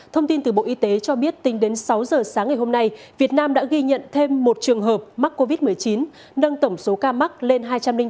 thông tin từ bộ y tế cho biết tính đến sáu giờ sáng ngày hôm nay việt nam đã ghi nhận thêm một trường hợp mắc covid một mươi chín nâng tổng số ca mắc lên hai trăm linh ba người